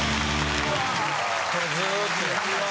これずっとや。